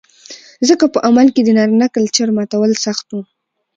ځکه په عمل کې د نارينه کلچر ماتول سخت و